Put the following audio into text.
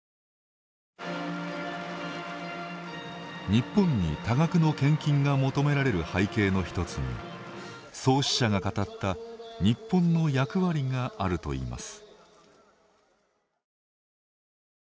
日本に多額の献金が求められる背景の１つに創始者が語った日本の役割があるといいます。